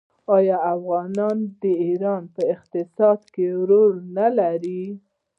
آیا افغانان د ایران په اقتصاد کې رول نلري؟